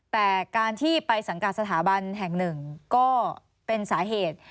แต่การที่ไปสังกัดสถาบันแห่งหนึ่งก็เป็นสาเหตุ